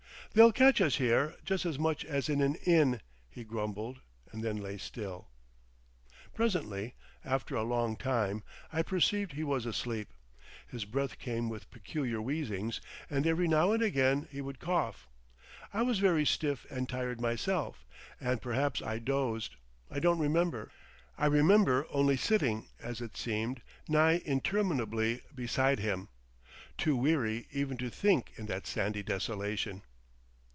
"They'll catch us here, just as much as in an inn," he grumbled and then lay still. Presently, after a long time, I perceived he was asleep. His breath came with peculiar wheezings, and every now and again he would cough. I was very stiff and tired myself, and perhaps I dozed. I don't remember. I remember only sitting, as it seemed, nigh interminably, beside him, too weary even to think in that sandy desolation.